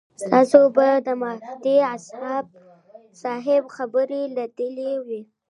تاسو به د مفتي صاحب خبرې لیدلې وي.